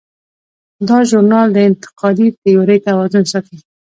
دا ژورنال د انتقادي تیورۍ توازن ساتي.